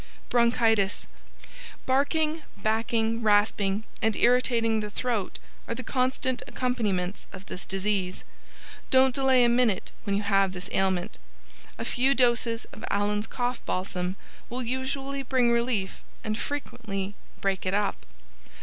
Bronchitis Barking, backing, rasping, and irritating the throat are the constant accompaniments of this disease. Don't delay a minute when you have this ailment. A few doses of Allen's Cough Balsam will usually bring relief and frequently break it up.